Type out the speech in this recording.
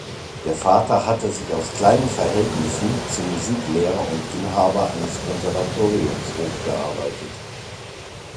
Der Vater hatte sich aus kleinen Verhältnissen zum Musiklehrer und Inhaber eines Konservatoriums hochgearbeitet.